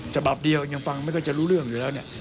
ฉบับเดียวยังฟังไม่ค่อยจะรู้เรื่องอยู่แล้วเนี่ย